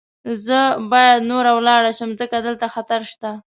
زه باید نوره ولاړه شم، ځکه دلته خطر شته.